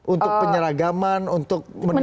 untuk penyeragaman untuk menurutkan kenyamanan